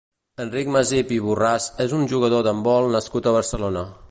Enric Masip i Borràs és un jugador d'handbol nascut a Barcelona.